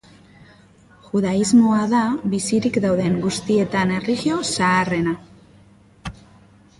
Judaismoa da bizirik dauden guztietan erlijio zaharrena.